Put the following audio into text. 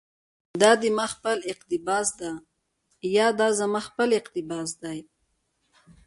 دا دي ما خپل اقتباس ده، يا دا زما خپل اقتباس دى